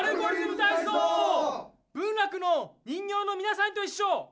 文楽の人形のみなさんといっしょ！